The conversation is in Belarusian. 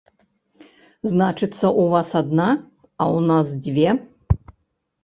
Значыцца, у вас адна, а ў нас дзве!